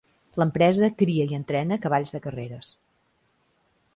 L'empresa cria i entrena cavalls de carreres.